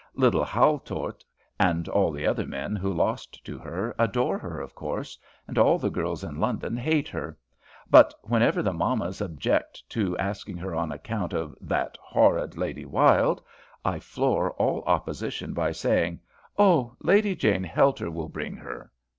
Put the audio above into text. Little Haultort, and all the other men who lost to her, adore her of course, and all the girls in London hate her; but whenever the mammas object to asking her on account of 'that horrid Lady Wylde,' I floor all opposition by saying, 'Oh, Lady Jane Helter will bring her.'